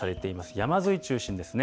山沿い中心ですね。